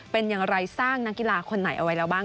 เป็นอย่างไรสร้างนักกีฬาคนไหนเอาไว้แล้วบ้าง